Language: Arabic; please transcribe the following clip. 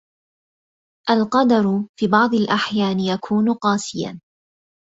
القدر في بعض الأحيان يكون قاسياً.